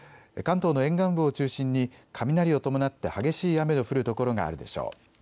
関東の沿岸部を中心に雷を伴って激しい雨の降る所があるでしょう。